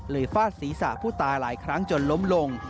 ฟาดศีรษะผู้ตายหลายครั้งจนล้มลง